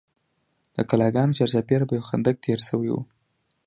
د کلاګانو چارپیره به یو خندق تیر شوی و.